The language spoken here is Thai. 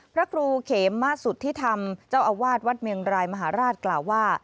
พระครูเขมมาสุทธิธรรมเจ้าอาวาสวัดเมียงรายมหาราชกล่าวว่า